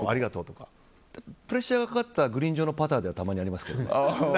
プレッシャーがかかったグリーン上のパターではたまにやりますけどね。